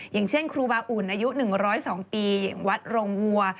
อย่างเช่นครูบาอุ่นอายุ๑๐๒ปีอย่างวัดโรงวัว